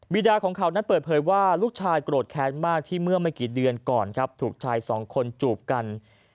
ดาของเขานั้นเปิดเผยว่าลูกชายโกรธแค้นมากที่เมื่อไม่กี่เดือนก่อนครับถูกชายสองคนจูบกัน